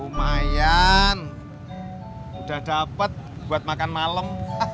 lumayan udah dapet buat makan malam